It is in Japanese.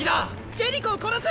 ⁉ジェリコを殺す！